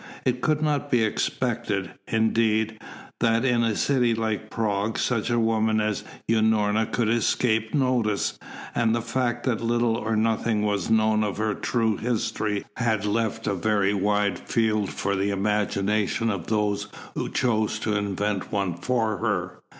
It could not be expected, indeed, that in a city like Prague such a woman as Unorna could escape notice, and the fact that little or nothing was known of her true history had left a very wide field for the imaginations of those who chose to invent one for her.